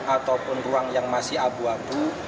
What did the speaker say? ataupun ruang yang masih abu abu